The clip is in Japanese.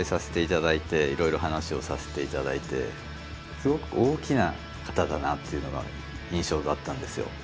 すごく大きな方だなというのが印象だったんですよ。